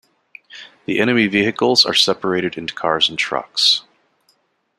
The enemy vehicles are separated into cars and trucks.